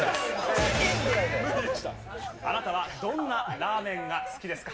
あなたはどんなラーメンが好きですか？